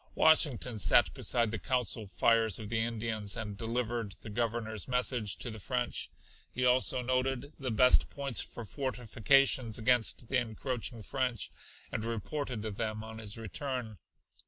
Washington sat beside the council fires of the Indians, and delivered the Governor's message to the French. He also noted the best points for fortifications against the encroaching French, and reported them on his return.